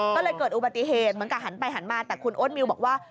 ก็เลยเกิดอุบัติเหตุเหมือนกับหันไปหันมาแต่คุณโอ๊ตมิวบอกว่า